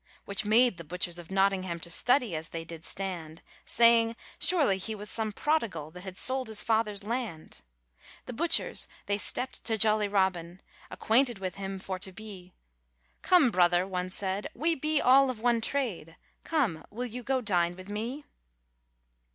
Which made the butchers of Notingharn To study as they did stand, Saying, surely he was some prodigal, That had sold his father's land. The butchers they stepped to jolly Robin, Acquainted with him for to be; 'Come, brother,' one said, 'we be all of one trade, Come, will you go dine with me?'